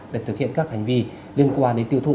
để thực hiện các hành vi liên quan đến tiêu thụ